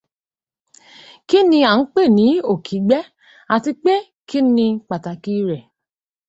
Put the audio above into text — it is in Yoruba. Kí ni a ń pè ní òkígbẹ́ àtipé kí ni pàtàkì rẹ̀?